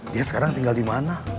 dia sekarang tinggal di mana